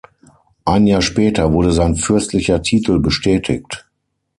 Ein Jahr später wurde sein fürstlicher Titel bestätigt.